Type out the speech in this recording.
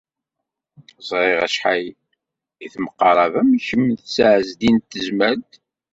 Ẓriɣ acḥal i temqarabem kemm s Ɛezdin n Tezmalt.